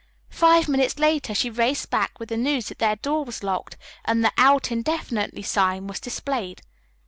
Five minutes later she raced back with the news that their door was locked and the "out indefinitely" sign was displayed.